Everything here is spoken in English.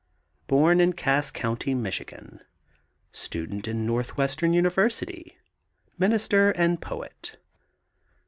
Born in Cass County, Michigan. Student in Northwestern University, minister and poet.